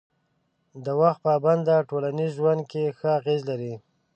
د وخت پابندي ټولنیز ژوند کې ښه اغېز لري.